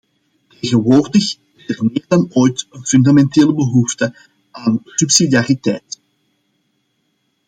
Tegenwoordig is er meer dan ooit een fundamentele behoefte aan subsidiariteit.